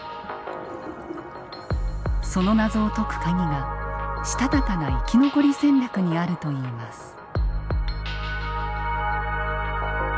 その謎を解くカギがしたたかな生き残り戦略にあるといいます。